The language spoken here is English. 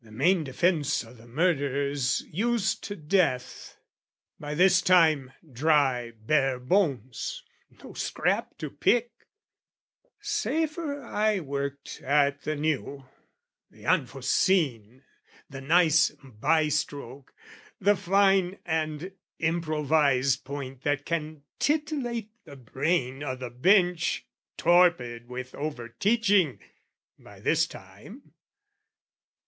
The main defence o' the murder's used to death, By this time, dry bare bones, no scrap to pick: Safer I worked at the new, the unforeseen, The nice bye stroke, the fine and improvised, Point that can titillate the brain o' the Bench Torpid with over teaching, by this time!